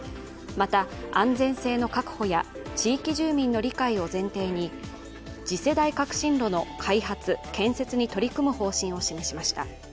また安全性の確保や地域住民の理解を前提に次世代革新炉の開発・建設に取り組む方針を示しました。